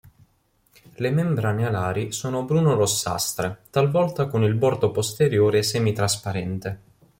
Le membrane alari sono bruno-rossastre talvolta con il bordo posteriore semi-trasparente.